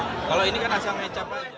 itu harus ada perencanaan bukan asal ngomong